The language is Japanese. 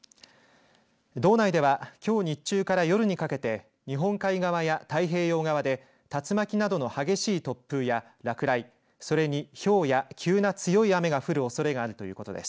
道内ではきょう日中から夜にかけて日本海側や太平洋側で竜巻などの激しい突風や落雷それに、ひょうや急な強い雨が降るおそれがあるということです。